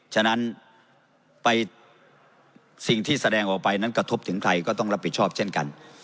ฉะนั้นสิ่งที่แสดงออกไปนั้นกระทบถึงใครก็ต้องรับผิดชอบเช่นกัน